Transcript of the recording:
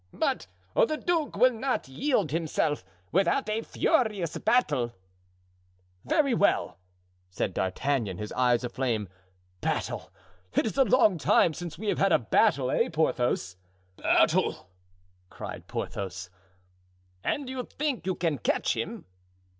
"But the duke will not yield himself without a furious battle." "Very well," said D'Artagnan, his eyes aflame, "battle! It is a long time since we have had a battle, eh, Porthos?" "Battle!" cried Porthos. "And you think you can catch him?"